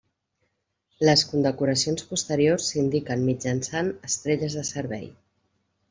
Les condecoracions posteriors s'indiquen mitjançant estrelles de servei.